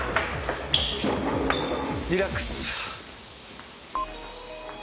リラックス。